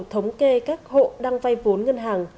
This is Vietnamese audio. thống kê các hộ đang vay vốn ngân hàng